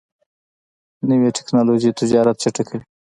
نوې ټکنالوژي تجارت چټکوي.